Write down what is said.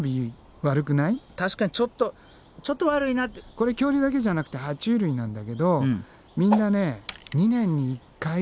これ恐竜だけじゃなくては虫類なんだけどみんなねえっ２年に１回も？